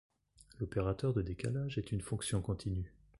L'opérateur de décalage est une fonction continue.